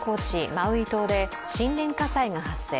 マウイ島で森林火災が発生。